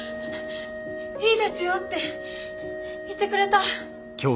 「いいですよ」って言ってくれた！